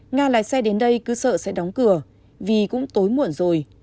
nga lái xe đến đây cứ sợ sẽ đóng cửa vì cũng tối muộn rồi